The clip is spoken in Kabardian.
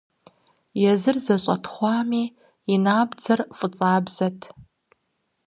Езыр зэщӀэтхъуами, и набдзэр фӀыцӀабзэт.